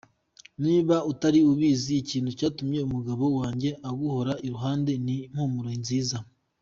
Niba utari ubizi ikintu cyatuma umugabo wawe aguhora iruhande n’impumuro nziza.